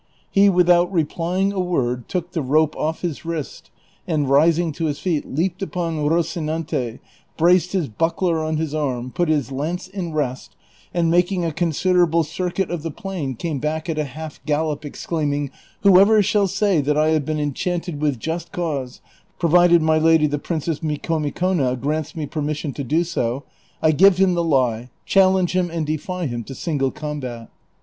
He without replying a word took the rope off his wrist, and rising to his feet leaped upon Ro cinaute, braced his buckler on his arm, put his lance in rest, and making a considerable circuit of the plain came back at a half gallop exclaiming, " Whoever shall say that I have been enchanted with just cause, provided my lady the Princess Mi comicona grants me permission to do so, I give him the lie, challenge him and defy him to single combat."